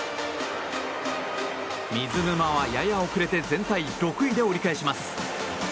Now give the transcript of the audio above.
水沼はやや遅れて全体６位で折り返します。